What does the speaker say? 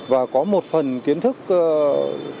và có một phần kiến thức tuyển sinh